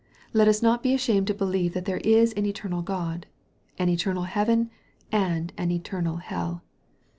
Let us not be ashamed to believe that there is an eternal God an eternal heaven and an eternal hell.